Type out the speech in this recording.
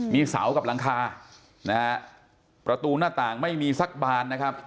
มีเสากับหลังคาประตูหน้าต่างไม่มีสักบาน